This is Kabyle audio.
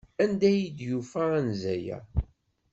Anda ay d-yufa anza-a?